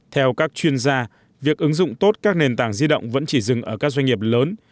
theo các chuyên gia việc ứng dụng tốt các nền tảng di động vẫn chỉ dừng ở các doanh nghiệp lớn